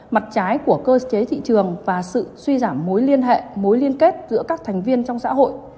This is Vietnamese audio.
mặt trái của cơ chế thị trường và sự suy giảm mối liên hệ mối liên kết giữa các thành viên trong xã hội